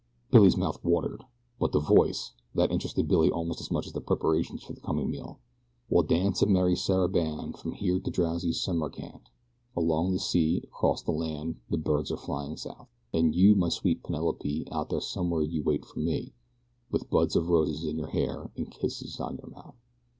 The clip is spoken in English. Billy's mouth watered. But the voice that interested Billy almost as much as the preparations for the coming meal. We'll dance a merry saraband from here to drowsy Samarcand. Along the sea, across the land, the birds are flying South, And you, my sweet Penelope, out there somewhere you wait for me, With buds of roses in your hair and kisses on your mouth.